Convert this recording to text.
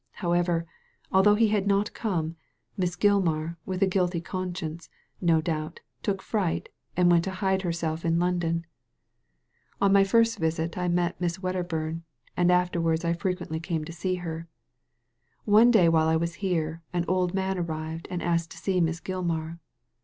However, although he had not come. Miss Gilmar, with a guilty conscience, no doubt, took fright, and went to hide herself in Digitized by Google A SECRET HOARD 229 London. On my first visit I met Miss Wedderburn, and afterwards I frequently came to see her. One day while I was here, an old man arrived and asked to see Miss Gilmar.